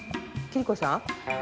桐子さん？